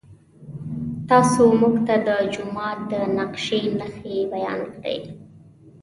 تاسو موږ ته د جومات د نقشې نښې بیان کړئ.